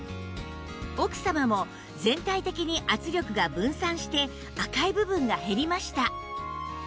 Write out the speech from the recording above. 奥様も全体的に圧力が分散して赤い部分が減りました